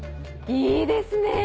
いいですねぇ！